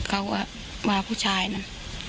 เขาก็บอกว่าผู้ชายน่ะ